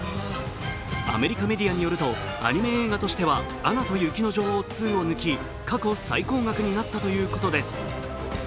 アメリカメディアによるとアニメ映画としては「アナと雪の女王２」を抜き過去最高額になったということです。